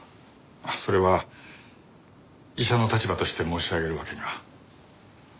それは医者の立場として申し上げるわけには。